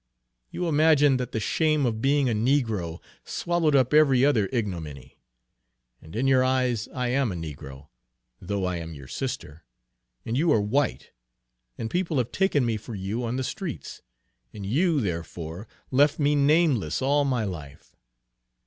You imagined that the shame of being a negro swallowed up every other ignominy, and in your eyes I am a negro, though I am your sister, and you are white, and people have taken me for you on the streets, and you, therefore, left me nameless all my life!